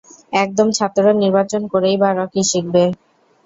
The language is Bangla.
একদম, ছাত্র নির্বাচন করেই-বা ওরা কী শিখবে?